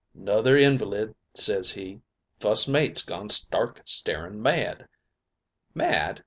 "'Nother invalid,' ses he; 'fust mate's gone stark, staring mad!' "'Mad?'